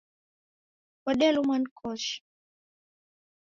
Wodelumwa ni koshi